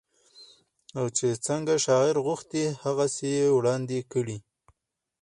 او چې څنګه شاعر غوښتي هغسې يې وړاندې کړې